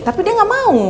tapi dia gak mau